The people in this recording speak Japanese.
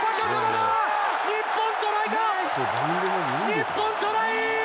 日本、トライ！